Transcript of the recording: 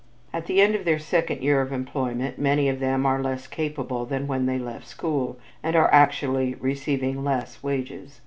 At the end of their second year of employment many of them are less capable than when they left school and are actually receiving less wages.